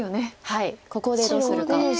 はいここでどうするか。